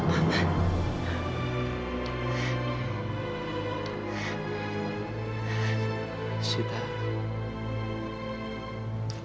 siasa kau masih selalu menang